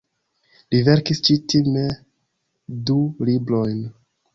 Li verkis ĉi-teme du librojn.